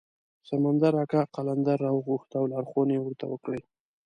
سمندر اکا قلندر راوغوښت او لارښوونې یې ورته وکړې.